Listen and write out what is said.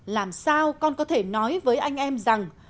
làm sao con có thể nói với anh em rằng